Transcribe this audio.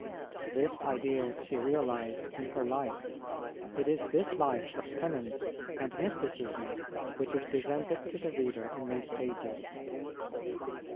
This ideal she realized in her life. It is this life of penance and mysticism which is presented to the reader in these pages.